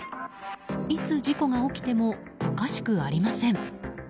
いつ事故が起きてもおかしくありません。